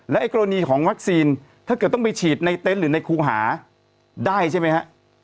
แล้วเอกโรนียองวัคซีนถ้าต้องไปฉีดในเต็นซ์หรือในคูหาได้ใช่ไหม